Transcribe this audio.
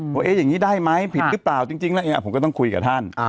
ว่าอย่างนี้ได้ไหมผิดหรือเปล่าจริงแล้วผมก็ต้องคุยกับท่าน